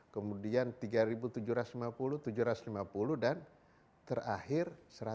kemudian tiga tujuh ratus lima puluh tujuh ratus lima puluh dan terakhir satu ratus lima puluh